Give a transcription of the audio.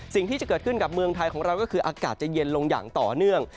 สิ่งที่จะเกิดขึ้นกับเมืองไทยของเราก็คืออากาศจะเย็นลงอย่างต่อเนื่อง